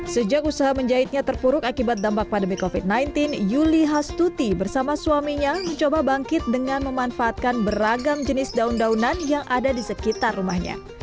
sejak usaha menjahitnya terpuruk akibat dampak pandemi covid sembilan belas yuli hastuti bersama suaminya mencoba bangkit dengan memanfaatkan beragam jenis daun daunan yang ada di sekitar rumahnya